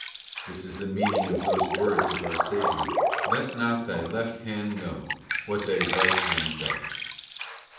This is the meaning of those words of our Saviour: ' Let not thy left hand know what thy right hand doth.